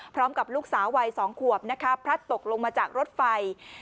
พร้อมกับลูกสาววัย๒ขวบนะคะพลัดตกลงมาจากรถไฟ